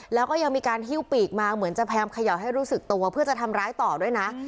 แล้วก็ยังมีการหิ้วปีกมาเหมือนจะพยายามเขย่าให้รู้สึกตัวเพื่อจะทำร้ายต่อด้วยนะ